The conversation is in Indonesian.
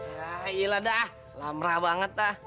ya iya lah dah lamrah banget